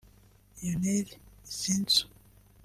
Lionel Zinsou